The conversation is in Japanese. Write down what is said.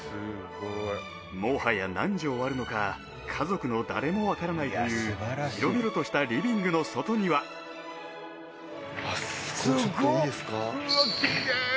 もはや何畳あるのか家族の誰もわからないという広々としたリビングの外にはここちょっといいですか？